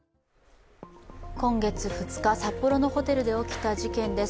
今月２日、札幌のホテルで起きた事件です。